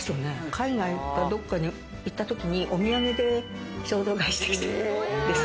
海外かどっかに行った時にお土産で衝動買いしてきて。